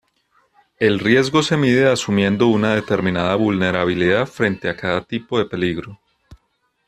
El riesgo se mide asumiendo una determinada vulnerabilidad frente a cada tipo de peligro.